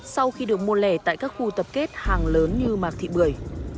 sau khi được mua lẻ tại các khu tập kết hàng lớn như mạc thị bưởi